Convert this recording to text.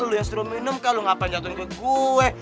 lo yang disuruh minum kak lo ngapa jatuhin ke gue